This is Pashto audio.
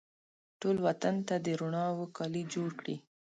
ټول وطن ته د روڼاوو کالي جوړکړي